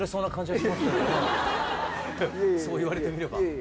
そう言われてみれば。